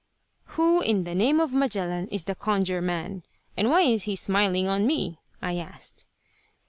"Who in the name of Magellan is the Conjure man, and why is he smiling on me?" I asked.